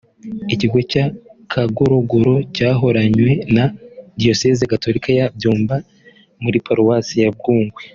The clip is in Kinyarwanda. Ikigo cya Kagorogoro cyahoranywe na Diyoseze Gatolika ya Byumba muri Paruwasi ya Bungwe